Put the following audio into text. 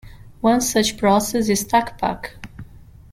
One such process is Tacpac.